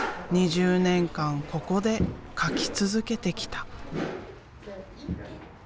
２０年間ここで描き続けてきた。